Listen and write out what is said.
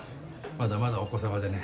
まだまだお子さまでね。